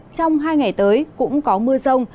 trong hai ngày tới cũng có mưa rông